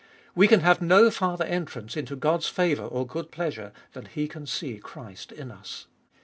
We can have no farther entrance into God's favour or good pleasure than He can see Christ in us.